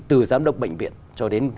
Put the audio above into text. từ giám đốc bệnh viện cho đến